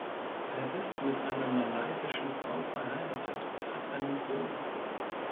Er ist mit einer malaysischen Frau verheiratet und hat einen Sohn.